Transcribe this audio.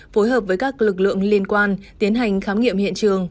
phối hợp với các lực lượng liên quan tiến hành khám nghiệm hiện trường